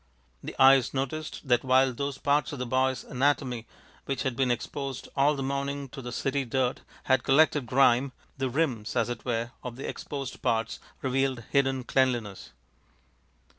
The eyes noticed that while those parts of the boy's anatomy which had been exposed all the morning to the city dirt had collected grime, the rims, as it were, of the exposed parts revealed hidden cleanliness.